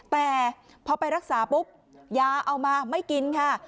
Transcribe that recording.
แต่พอไปรักษาปุ๊บยาเอามาไม่กินค่ะ